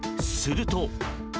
すると。